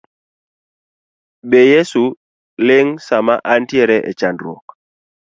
Be Yeso ling sama antiere e chandruok